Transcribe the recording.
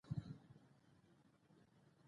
مېوې د افغانانو د ګټورتیا برخه ده.